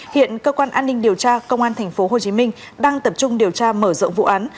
hiện cơ quan an ninh điều tra công an tp hcm đang tập trung điều tra mở rộng vụ án